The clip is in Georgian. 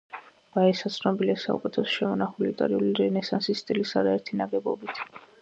ბაესა ცნობილია საუკეთესოდ შემონახული, იტალიური რენესანსის სტილის არაერთი ნაგებობით.